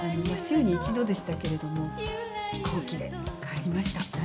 週に１度でしたけれども飛行機で帰りました。